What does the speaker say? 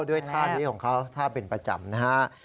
ด้วยท่านี้ของเขาท่าเป็นประจำนะฮะ